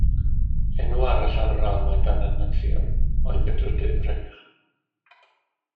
Enw arall ar yr Almaen dan y Natsïaid oedd y Drydedd Reich.